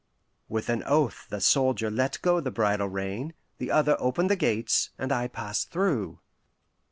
With an oath the soldier let go the bridle rein, the other opened the gates, and I passed through.